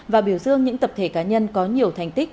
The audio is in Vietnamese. và biểu dương những tập thể cá nhân có nhiều thành tích